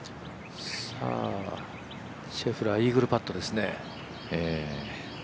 シェフラー、イーグルパットですね。